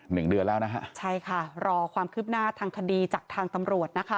หนึ่งเดือนแล้วนะฮะใช่ค่ะรอความคืบหน้าทางคดีจากทางตำรวจนะคะ